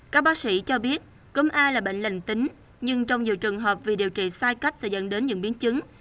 các bác sĩ cho biết cúm a là bệnh lành tính nhưng trong nhiều trường hợp vì điều trị sai cách sẽ dẫn đến những biến chứng